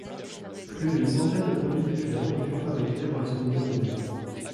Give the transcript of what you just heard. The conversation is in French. Plus d'une centaine de produits différents y furent fabriqués avant la seconde guerre mondiale.